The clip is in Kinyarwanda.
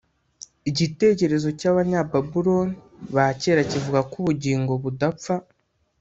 igitekerezo cy’abanyababuloni ba kera kivuga ko ubugingo budapfa.